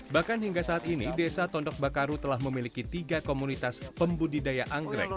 bahkan hingga saat ini desa tondok bakaru telah memiliki tiga komunitas pembudidaya anggrek